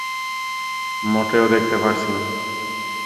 মোটেও দেখতে পারছি না।